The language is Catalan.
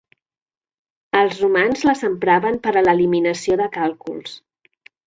Els romans les empraven per a l'eliminació de càlculs.